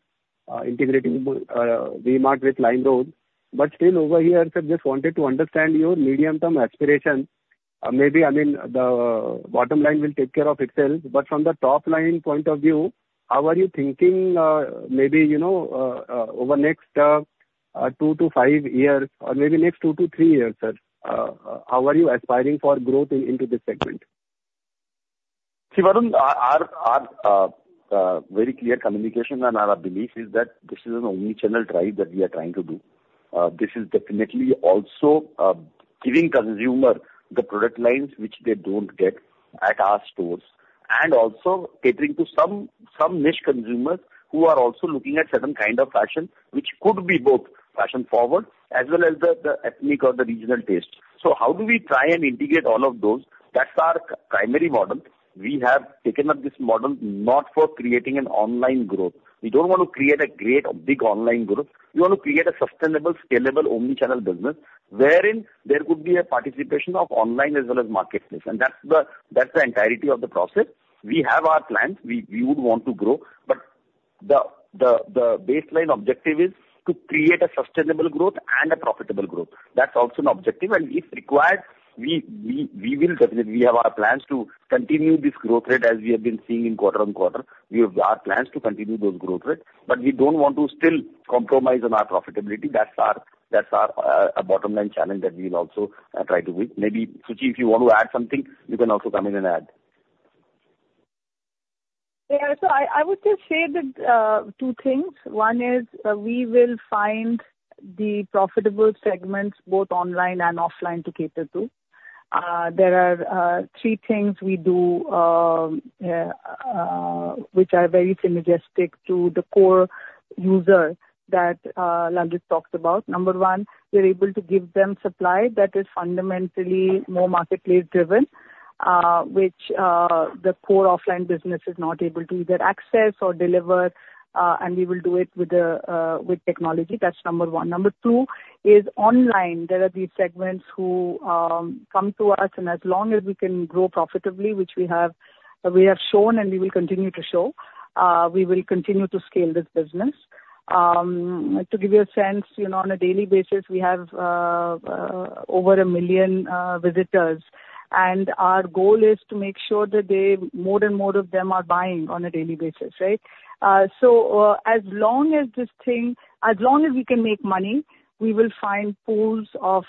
integrating V-Mart with LimeRoad. But still over here, sir, just wanted to understand your medium-term aspiration. Maybe, I mean, the bottom line will take care of itself, but from the top-line point of view, how are you thinking, maybe, you know, over next two to five years or maybe next two to three years, sir? How are you aspiring for growth into this segment? See, Varun, our very clear communication and our belief is that this is an omni-channel drive that we are trying to do. This is definitely also giving consumer the product lines which they don't get at our stores, and also catering to some niche consumers who are also looking at certain kind of fashion, which could be both fashion-forward as well as the ethnic or the regional taste. So how do we try and integrate all of those? That's our primary model. We have taken up this model not for creating an online growth. We don't want to create a great, big online growth. We want to create a sustainable, scalable, omni-channel business, wherein there could be a participation of online as well as marketplace, and that's the entirety of the process. We have our plans, we would want to grow, but the baseline objective is to create a sustainable growth and a profitable growth. That's also an objective, and if required, we will definitely. We have our plans to continue this growth rate as we have been seeing in quarter-on-quarter. We have our plans to continue those growth rate, but we don't want to still compromise on our profitability. That's our bottom line challenge that we will also try to win. Maybe, Suchi, if you want to add something, you can also come in and add. Yeah, so I would just say that two things. One is we will find the profitable segments, both online and offline, to cater to. There are three things we do which are very synergistic to the core user that Lalit talked about. Number one, we're able to give them supply that is fundamentally more marketplace driven, which the core offline business is not able to either access or deliver, and we will do it with technology. That's number one. Number two is online, there are these segments who come to us, and as long as we can grow profitably, which we have, we have shown and we will continue to show, we will continue to scale this business. To give you a sense, you know, on a daily basis, we have over 1 million visitors. And our goal is to make sure that they, more and more of them are buying on a daily basis, right? So, as long as this thing, as long as we can make money, we will find pools of,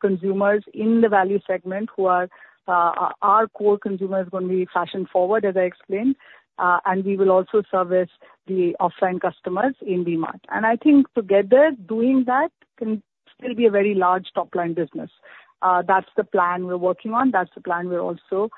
consumers in the value segment who are, are our core consumers when we fashion forward, as I explained, and we will also service the offline customers in V-Mart. And I think together, doing that can still be a very large top line business. That's the plan we're working on. That's the plan we're also,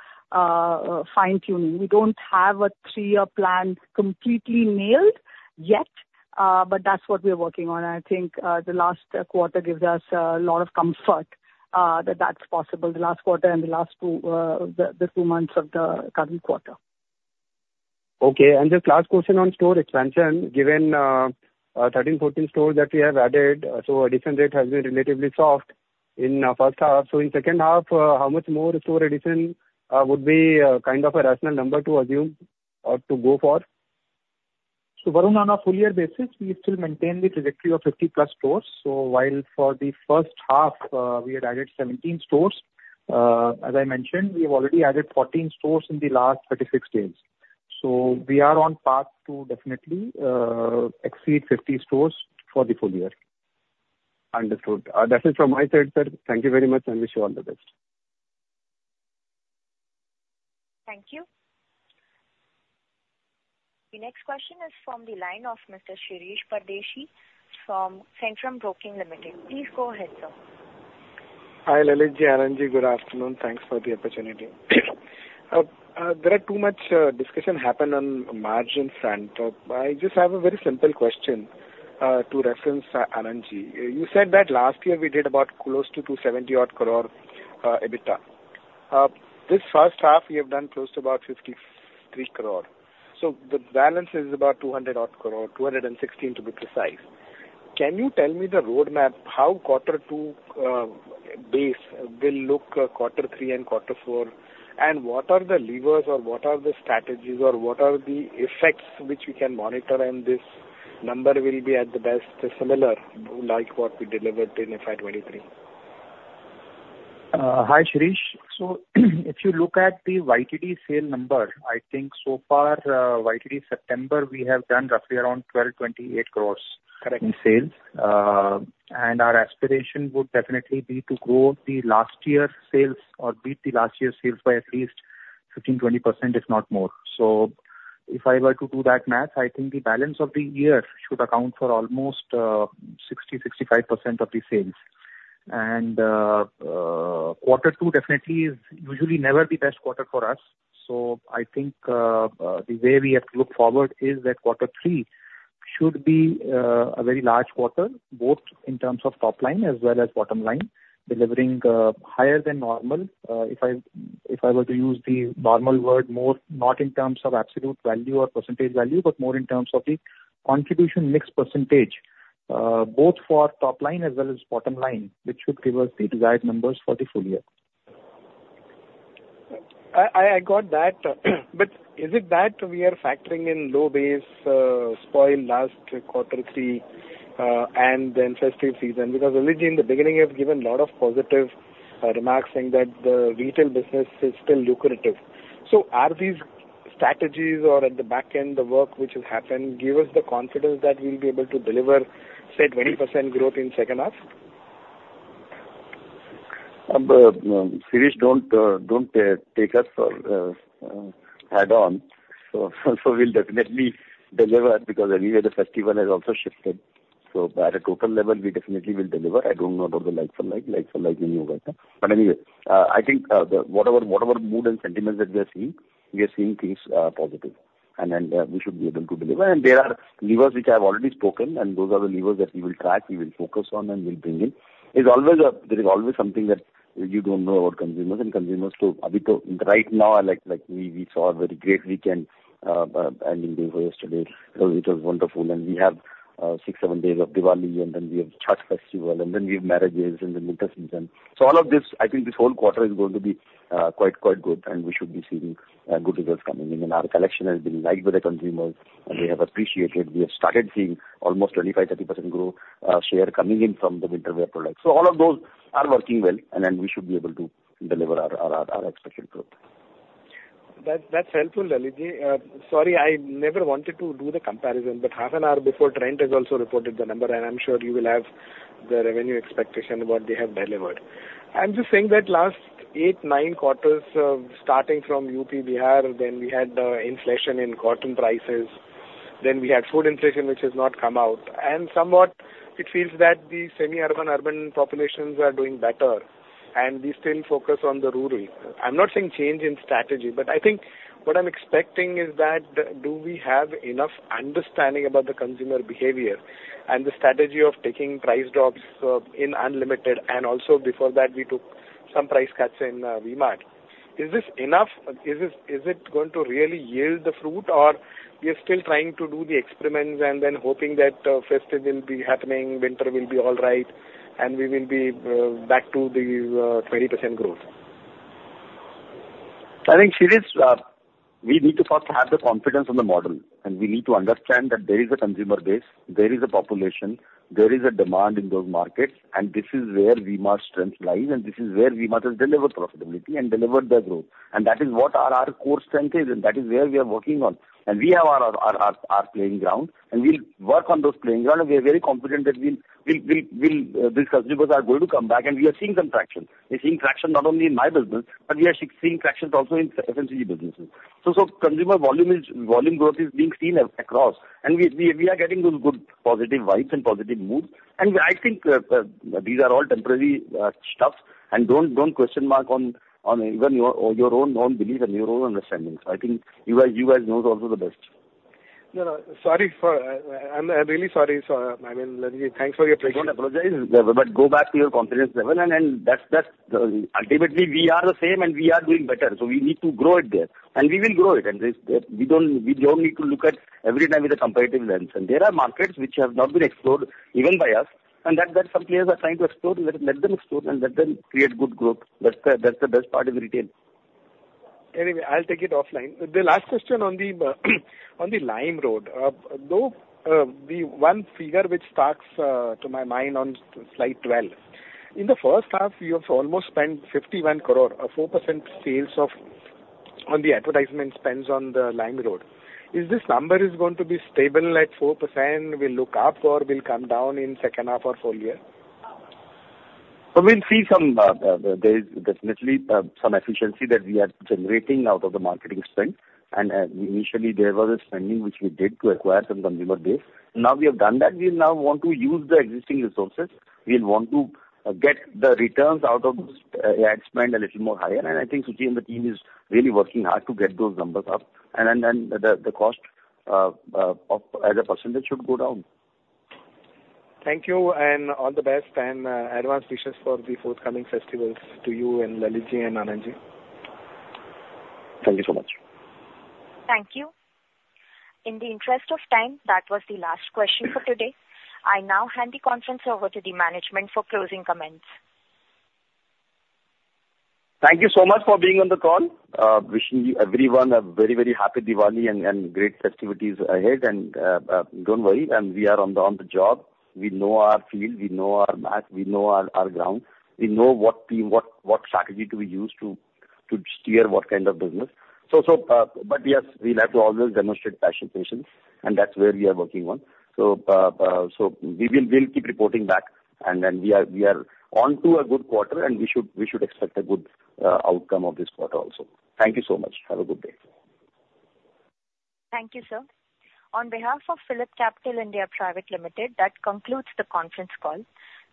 fine-tuning. We don't have a three-year plan completely nailed yet, but that's what we're working on, and I think, the last quarter gives us a lot of comfort, that that's possible, the last quarter and the last two, the, the two months of the current quarter. Okay. The last question on store expansion, given 13, 14 stores that we have added, so addition rate has been relatively soft in first half. So in second half, how much more store addition would be kind of a rational number to assume or to go for? So Varun, on a full year basis, we still maintain the trajectory of 50+ stores. So while for the first half, we had added 17 stores, as I mentioned, we have already added 14 stores in the last 36 days. So we are on path to definitely exceed 50 stores for the full year. Understood. That's it from my side, sir. Thank you very much, and wish you all the best. Thank you. The next question is from the line of Mr. Shirish Pardeshi from Centrum Broking Limited. Please go ahead, sir. Hi, Lalit ji, Anand ji. Good afternoon, thanks for the opportunity. There are too much discussion happened on margin front. So I just have a very simple question to reference Anand ji. You said that last year we did about close to 270 odd crore EBITDA. This first half, we have done close to about 53 crore, so the balance is about 200 odd crore, 216 crore to be precise. Can you tell me the roadmap, how Quarter Two base will look, Q3 and Q4? And what are the levers or what are the strategies, or what are the effects which we can monitor, and this number will be at the best, similar, like what we delivered in FY 2023? Hi, Shirish. So if you look at the YTD sale number, I think so far, YTD September, we have done roughly around 1,228 crore- Correct. in sales. And our aspiration would definitely be to grow last year's sales or beat last year's sales by at least 15%-20%, if not more. So if I were to do that math, I think the balance of the year should account for almost 6%0-65% of the sales. And quarter two definitely is usually never the best quarter for us. So I think the way we have to look forward is that quarter three should be a very large quarter, both in terms of top line as well as bottom line, delivering higher than normal. If I, if I were to use the normal word more, not in terms of absolute value or percentage value, but more in terms of the contribution mix percentage, both for top line as well as bottom line, which should give us the desired numbers for the full year. I got that, but is it that we are factoring in low base, spoiled last quarter three, and then festive season? Because Lalit ji, in the beginning, you have given a lot of positive remarks saying that the retail business is still lucrative. So are these strategies or at the back end, the work which has happened, give us the confidence that we'll be able to deliver, say, 20% growth in second half? Shirish, don't take us for add on. So we'll definitely deliver, because anyway, the festival has also shifted. So at a total level, we definitely will deliver. I don't know about the like for like, like for like in new, but anyway, I think the whatever mood and sentiments that we are seeing, we are seeing things positive. And then we should be able to deliver. And there are levers which I've already spoken, and those are the levers that we will track, we will focus on and we'll bring in. It's always there is always something that you don't know about consumers and consumers too. Right now, like, we saw a very great weekend ending day for yesterday. So it was wonderful, and we have six to seven days of Diwali, and then we have Chhath festival, and then we have marriages in the winter season. So all of this, I think this whole quarter is going to be quite, quite good, and we should be seeing good results coming in. And our collection has been liked by the consumers, and they have appreciated. We have started seeing almost 25%-30% growth share coming in from the winter wear products. So all of those are working well, and then we should be able to deliver our expected growth. That, that's helpful, Lalit ji. Sorry, I never wanted to do the comparison, but half an hour before, Trent has also reported the number, and I'm sure you will have the revenue expectation what they have delivered. I'm just saying that last eight, nine quarters, starting from UP, Bihar, then we had inflation in cotton prices, then we had food inflation, which has not come out. Somewhat it feels that the semi-urban, urban populations are doing better, and we still focus on the rural. I'm not saying change in strategy, but I think what I'm expecting is that, do we have enough understanding about the consumer behavior and the strategy of taking price drops in Unlimited, and also before that, we took some price cuts in V-Mart. Is this enough? Is it, is it going to really yield the fruit, or we are still trying to do the experiments and then hoping that festive will be happening, winter will be all right, and we will be back to the 20% growth? I think, Shirish, we need to first have the confidence in the model, and we need to understand that there is a consumer base, there is a population, there is a demand in those markets, and this is where V-Mart's strength lies, and this is where V-Mart has delivered profitability and delivered the growth. That is what our core strength is, and that is where we are working on. We have our playing ground, and we'll work on those playing ground, and we are very confident that we'll these consumers are going to come back, and we are seeing some traction. We're seeing traction not only in my business, but we are seeing traction also in FMCG businesses. So, consumer volume growth is being seen across, and we are getting those good positive vibes and positive moods. And I think these are all temporary stuffs, and don't question mark on even your own non-belief and your own understandings. I think you guys know it also the best. No, no, sorry for... I'm really sorry. So, I mean, Lalit ji, thanks for your patience. Don't apologize, but go back to your confidence level, and that's ultimately we are the same, and we are doing better, so we need to grow it there. We will grow it, and this we don't need to look at every time with a competitive lens. There are markets which have not been explored even by us, and that some players are trying to explore. Let them explore, and let them create good growth. That's the best part of retail. Anyway, I'll take it offline. The last question on the, on the LimeRoad. Though, the one figure which sticks, to my mind on Slide 12, in the first half, you have almost spent 51 crore, or 4% sales of, on the advertisement spends on the LimeRoad. Is this number is going to be stable at 4%, will look up, or will come down in second half or full year? So we'll see some, there is definitely, some efficiency that we are generating out of the marketing spend. And, initially, there was a spending which we did to acquire some consumer base. Now, we have done that, we now want to use the existing resources. We want to get the returns out of those ad spend a little more higher, and I think Suchi and the team is really working hard to get those numbers up. And then, the cost, of, as a percentage, should go down. Thank you, and all the best, and advance wishes for the forthcoming festivals to you and Lalit ji and Anand ji. Thank you so much. Thank you. In the interest of time, that was the last question for today. I now hand the conference over to the management for closing comments. Thank you so much for being on the call. Wishing everyone a very, very happy Diwali and great festivities ahead. Don't worry, and we are on the job. We know our field. We know our math. We know our ground. We know what strategy to be used to steer what kind of business. But yes, we'll have to always demonstrate passion, patience, and that's where we are working on. So we will keep reporting back, and then we are on to a good quarter, and we should expect a good outcome of this quarter also. Thank you so much. Have a good day. Thank you, sir. On behalf of PhillipCapital (India) Private Limited, that concludes the conference call.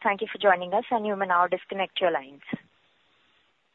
Thank you for joining us, and you may now disconnect your lines.